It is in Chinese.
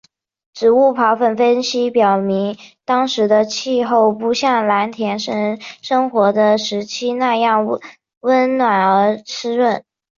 植物孢粉分析表明当时的气候不像蓝田人生活的时期那样温暖而湿润。